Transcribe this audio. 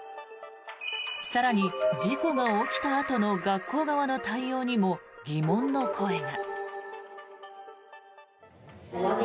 更に、事故が起きたあとの学校側の対応にも疑問の声が。